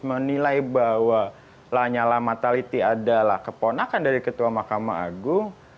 menilai bahwa lanyalah matality adalah keponakan dari ketua makam agung